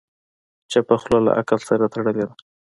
چپه خوله، له عقل سره تړلې ده.